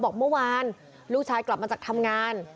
บอกเมื่อวานลูกชายกลับมาจากทำงาน